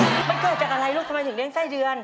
มันเกิดจากอะไรลูกทำไมถึงเลี้ยไส้เดือน